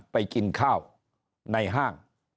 ไปกินข้าวในห้าง